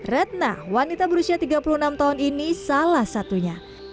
retna wanita berusia tiga puluh enam tahun ini salah satunya